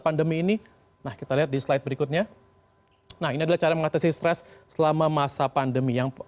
nah ini adalah cara mengatasi stres selama masa pandemi